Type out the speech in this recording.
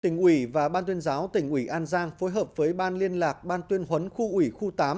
tỉnh ủy và ban tuyên giáo tỉnh ủy an giang phối hợp với ban liên lạc ban tuyên huấn khu ủy khu tám